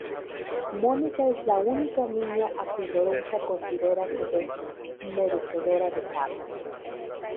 Mónica es la única niña a quien Lorenza considera que es merecedora de Pablo.